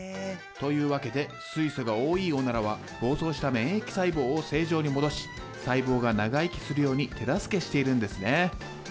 というわけで水素が多いオナラは暴走した免疫細胞を正常に戻し細胞が長生きするように手助けしているんですね。